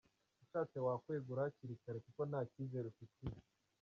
Ushatse wakwegura hakiri kare kuko nta cyizere ufitiwe.